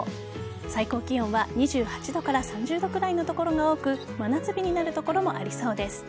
最高気温は２８度から３０度くらいの所が多く真夏日になる所もありそうです。